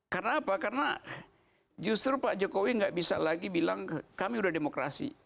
karena apa karena justru pak jokowi nggak bisa lagi bilang kami udah demokrasi